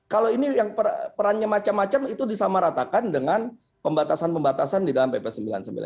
kalau ini yang perannya macam macam itu disamaratakan dengan pembatasan pembatasan di dalam pp sembilan puluh sembilan